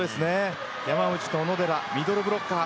山内と小野寺ミドルブロッカー。